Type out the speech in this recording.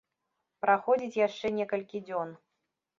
Праходзіць яшчэ некалькі дзён.